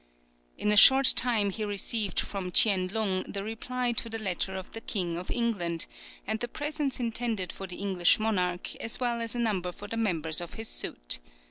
In a short time he received from Tchien Lung the reply to the letter of the King of England, and the presents intended for the English monarch, as well as a number for the members of his suite.